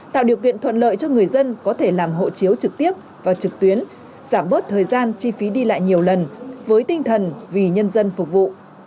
tạo điều kiện thuận lợi cho người dân có thể làm hộ chiếu trực tiếp và trực tuyến giảm bớt thời gian chi phí đi lại nhiều lần với tinh thần vì nhân dân phục vụ